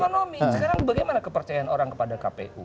sekarang bagaimana kepercayaan orang kepada kpu